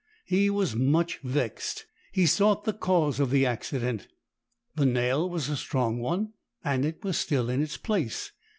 He was much vexed. He sought the cause of the accident. The nail was a strong one, and it was still in its place.